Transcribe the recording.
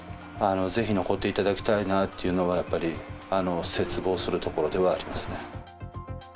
ぜひ残っていただきたいなっていうのは、やっぱり切望するところではありますね。